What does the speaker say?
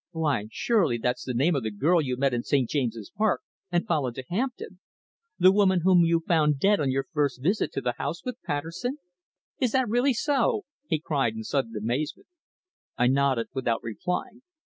"Why, surely that's the name of the girl you met in St. James's Park and followed to Hampton the woman whom you found dead on your first visit to the house with Patterson? Is that really so?" he cried, in sudden amazement. I nodded, without replying.